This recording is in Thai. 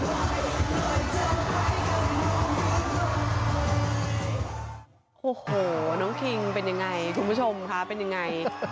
โอ้โหน้องคิงเป็นยังไงคุณผู้ชมคะเป็นยังไง